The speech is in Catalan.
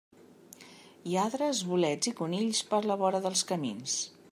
Lladres, bolets i conills, per la vora dels camins.